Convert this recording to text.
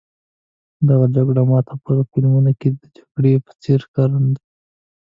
دغه جګړه ما ته په فلمونو کې د جګړې په څېر ښکارېده.